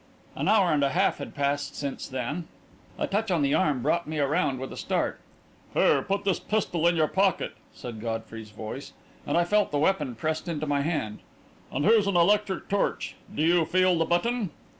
An hour and a half had passed since then.... A touch on the arm brought me around with a start. "Here, put this pistol in your pocket," said Godfrey's voice, and I felt the weapon pressed into my hand. "And here's an electric torch. Do you feel the button?"